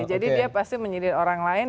jadi dia pasti menyindir orang lain